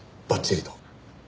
ばっちりと。